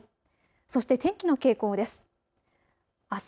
そして天気の傾向です。